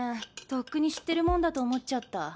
とっくに知ってるもんだと思っちゃった。